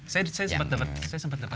saya sempat dapat